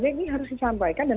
ini harus disampaikan